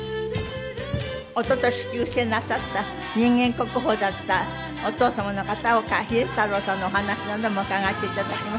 一昨年急逝なさった人間国宝だったお父様の片岡秀太郎さんのお話なども伺わせて頂きます。